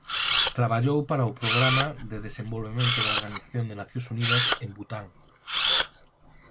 Traballou para o Programa de Desenvolvemento da Organización das Nacións Unidas en Bután.